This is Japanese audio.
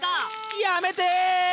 やめて！